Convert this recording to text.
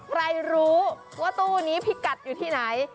ใครรู้ว่าตู้นี้พี่กัดอยู่ที่ไหน